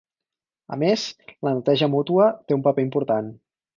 A més, la neteja mútua té un paper important.